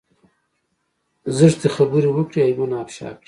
زشتې خبرې وکړي عيبونه افشا کړي.